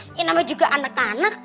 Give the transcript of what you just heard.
ini nama juga anak anak